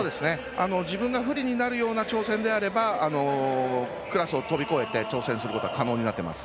自分が不利になるような挑戦であれば、クラスを飛び越えて挑戦することは可能になっています。